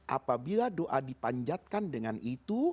apabila doa dipanjatkan dengan itu